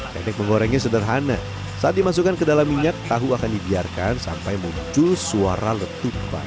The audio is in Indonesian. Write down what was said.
teknik menggorengnya sederhana saat dimasukkan ke dalam minyak tahu akan dibiarkan sampai muncul suara letupan